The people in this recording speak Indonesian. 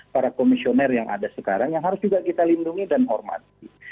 para komisioner yang ada sekarang yang harus juga kita lindungi dan hormati